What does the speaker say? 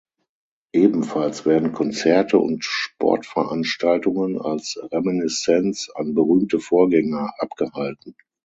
Ebenfalls werden Konzerte und Sportveranstaltungen als Reminiszenz an berühmte Vorgänger abgehalten.